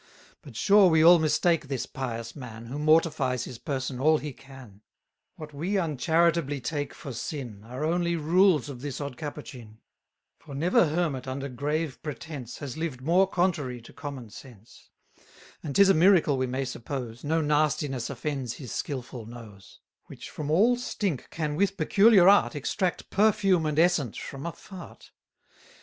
But sure we all mistake this pious man, Who mortifies his person all he can: What we uncharitably take for sin, Are only rules of this odd capuchin; For never hermit under grave pretence, Has lived more contrary to common sense; And 'tis a miracle we may suppose, 220 No nastiness offends his skilful nose: Which from all stink can with peculiar art Extract perfume and essence from a f t.